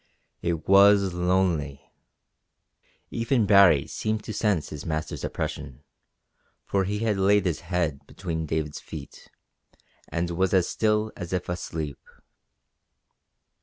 It was lonely. Even Baree seemed to sense his master's oppression, for he had laid his head between David's feet, and was as still as if asleep.